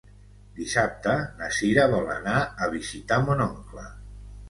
Dissabte na Cira vol anar a visitar mon oncle.